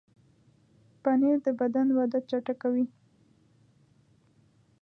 پنېر د بدن وده چټکوي.